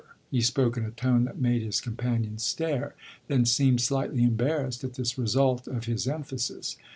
He spoke in a tone that made his companion stare then seemed slightly embarrassed at this result of his emphasis.